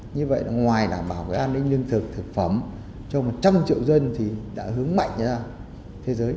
như vậy là ngoài đảm bảo an ninh lương thực thực phẩm cho một trăm linh triệu dân thì đã hướng mạnh ra thế giới